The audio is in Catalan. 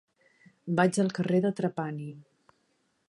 Vaig al carrer de Trapani.